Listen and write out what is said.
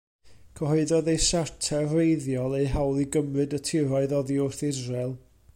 Cyhoeddodd eu Siarter wreiddiol eu hawl i gymryd y tiroedd oddi wrth Israel.